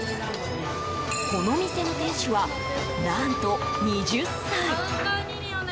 この店の店主は、何と２０歳。